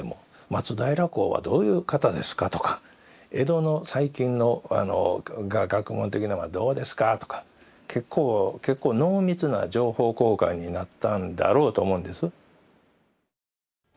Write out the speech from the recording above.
「松平公はどういう方ですか」とか「江戸の最近の学問的なんはどうですか」とか結構結構濃密な情報交換になったんだろうと思うんです。